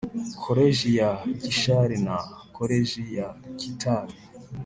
Koleji ya Gishari na Koleji ya Kitabi